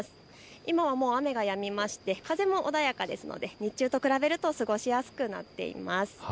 今はもう雨がやみまして風も穏やかですので日中と比べると過ごしやすくなっています。